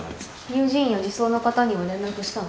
乳児院や児相の方には連絡したの？